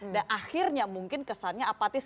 dan akhirnya mungkin kesannya apatis